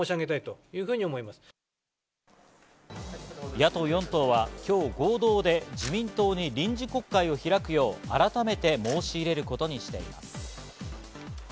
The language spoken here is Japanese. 野党４党は今日、合同で自民党に臨時国会を開くよう改めて申し入れることにしています。